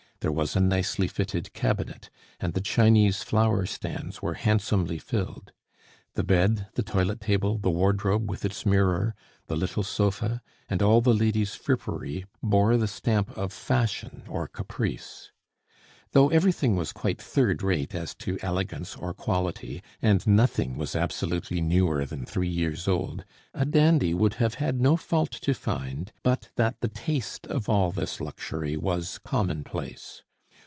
There was a nicely fitted cabinet, and the Chinese flower stands were handsomely filled. The bed, the toilet table, the wardrobe with its mirror, the little sofa, and all the lady's frippery bore the stamp of fashion or caprice. Though everything was quite third rate as to elegance or quality, and nothing was absolutely newer than three years old, a dandy would have had no fault to find but that the taste of all this luxury was commonplace.